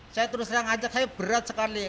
saya terus terang ajak saya berat sekali